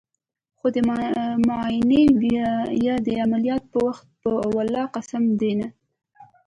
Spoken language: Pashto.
خو د معاينې يا د عمليات په وخت په ولله قسم ديه.